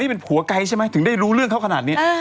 เป็นผัวไกลใช่ไหมถึงได้รู้เรื่องเขาขนาดนี้